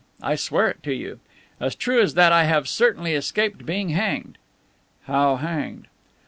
I swear it to you. As true as that I have certainly escaped being hanged." "How, hanged?"